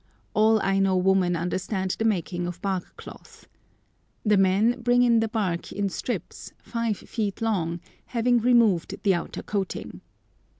All Aino women understand the making of bark cloth. The men bring in the bark in strips, five feet long, having removed the outer coating.